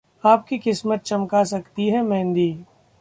आपकी किस्मत चमका सकती है मेहंदी